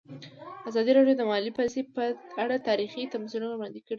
ازادي راډیو د مالي پالیسي په اړه تاریخي تمثیلونه وړاندې کړي.